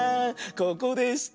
ここでした。